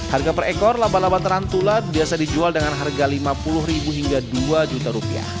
harga per ekor laba laba tarantula biasa dijual dengan harga rp lima puluh dua